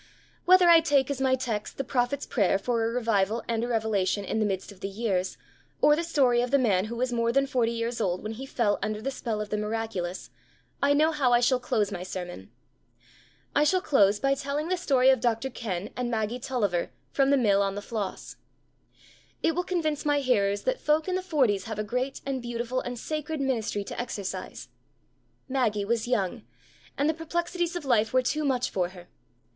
Whether I take as my text the prophet's prayer for a revival and a revelation in the midst of the years, or the story of the man who was more than forty years old when he fell under the spell of the miraculous, I know how I shall close my sermon. I shall close by telling the story of Dr. Kenn and Maggie Tulliver from The Mill on the Floss. It will convince my hearers that folk in the forties have a great and beautiful and sacred ministry to exercise. Maggie was young, and the perplexities of life were too much for her.